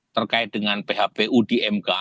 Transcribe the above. terkait dengan phpu di mk